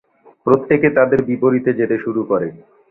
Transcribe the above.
প্রত্যেকে তাদের বিপরীতে যেতে শুরু করে।